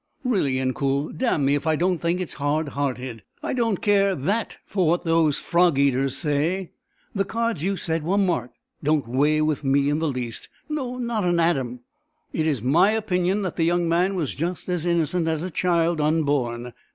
Really, Incoul, damn me if I don't think it hard hearted. I don't care that for what those frog eaters say; the cards you said were marked, don't weigh with me in the least; no, not an atom; it is my opinion that the young man was just as innocent as a child unborn.